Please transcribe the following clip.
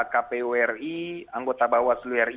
kpu ri anggota bawah seluruh ri